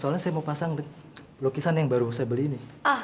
soalnya saya mau pasang lukisan yang baru saya beli ini